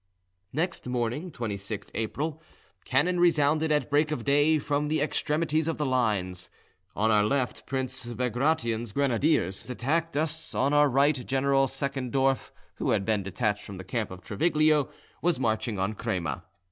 Next morning, 26th April, cannon resounded at break of day from the extremities of the lines; on our left Prince Bagration's grenadiers attacked us, on our right General Seckendorff, who had been detached from the camp of Triveglio, was marching on Crema.